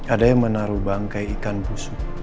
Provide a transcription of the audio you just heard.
ada yang menaruh bangkai ikan busuk